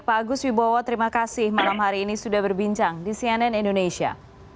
pak agus wibowo terima kasih malam hari ini sudah berbincang di cnn indonesia